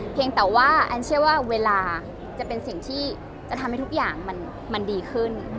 แต่ว่าแอนเชื่อว่าเวลาจะเป็นสิ่งที่จะทำให้ทุกอย่างมันดีขึ้น